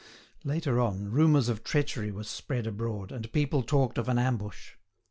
Later on, rumours of treachery were spread abroad, and people talked of an ambush.